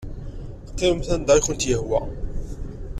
Qqimemt anda i kent-yehwa.